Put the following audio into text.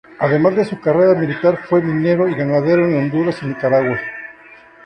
Además de su carrera militar fue minero y ganadero en Honduras y Nicaragua.